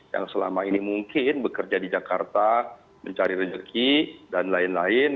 yang selama ini mungkin bekerja di jakarta mencari rezeki dan lain lain